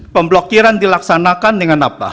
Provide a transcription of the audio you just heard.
pemblokiran dilaksanakan dengan apa